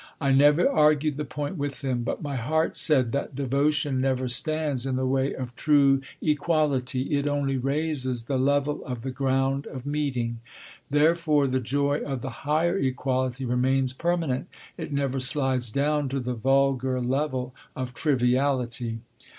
I never argued the point with him, but my heart said that devotion never stands in the way of true equality; it only raises the level of the ground of meeting. Therefore the joy of the higher equality remains permanent; it never slides down to the vulgar level of triviality.